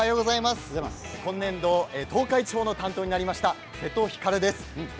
今年度、東海地方の担当になりました瀬戸光です。